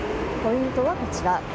ポイントはこちら。